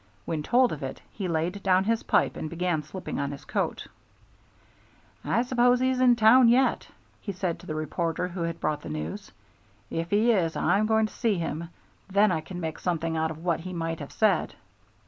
When told of it, he laid down his pipe and began slipping on his coat. "I suppose he's in town yet," he said to the reporter who had brought the news. "If he is, I'm going to see him; then I can make something out of what he might have said.